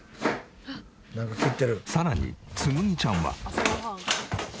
さらにつむぎちゃんは。